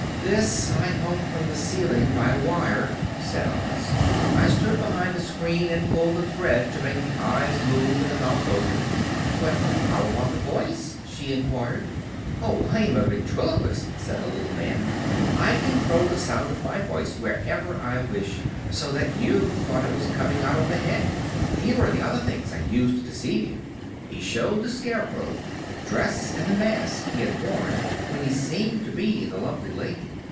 "This I hung from the ceiling by a wire," said Oz. "I stood behind the screen and pulled a thread, to make the eyes move and the mouth open." "But how about the voice?" she inquired. "Oh, I am a ventriloquist," said the little man. "I can throw the sound of my voice wherever I wish, so that you thought it was coming out of the Head. Here are the other things I used to deceive you." He showed the Scarecrow the dress and the mask he had worn when he seemed to be the lovely Lady.